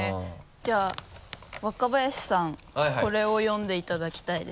じゃあ若林さんこれを読んでいただきたいです。